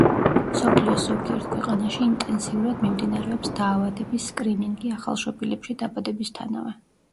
მსოფლიოს ზოგიერთ ქვეყანაში ინტენსიურად მიმდინარეობს დაავადების სკრინინგი ახალშობილებში დაბადებისთანავე.